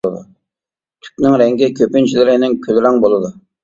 تۈكىنىڭ رەڭگى كۆپىنچىلىرىنىڭ كۈل رەڭ بولىدۇ.